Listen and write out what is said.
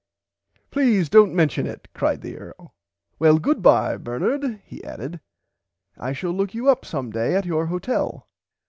Please dont mention it cried the earl well goodbye Bernard he added I shall look you up some day at your hotel.